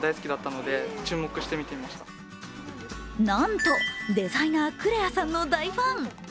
なんとデザイナー・クレアさんの大ファン。